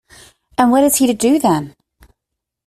And what is he to do then?